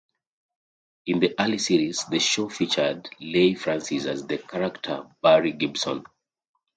In the early series, the show featured Leigh Francis as the character Barry Gibson.